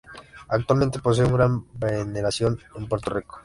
Actualmente posee una gran veneración en Puerto Rico.